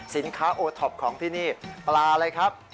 โอท็อปของที่นี่ปลาอะไรครับ